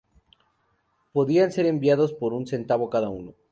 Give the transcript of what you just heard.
Podían ser enviados por un centavo cada uno.